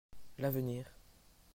L'avenir.